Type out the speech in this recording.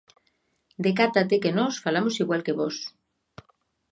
Decátate que nós falamos igual que vós.